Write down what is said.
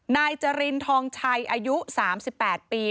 นายจรินทองชัยอายุ๓๘ปี